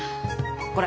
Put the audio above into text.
これ。